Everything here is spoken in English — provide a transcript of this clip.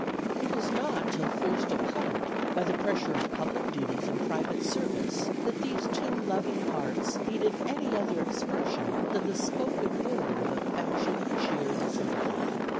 It was not till forced apart by the pressure of public duties and private service, that these two loving hearts needed any other expression than the spoken word of affection, cheer and sympathy.